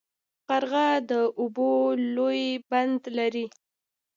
قرغه د اوبو لوی بند لري.